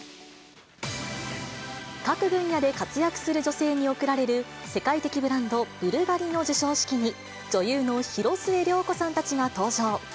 各分野で活躍する女性に贈られる、世界的ブランド、ブルガリの授賞式に、女優の広末涼子さんたちが登場。